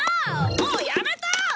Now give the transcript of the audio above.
もうやめた！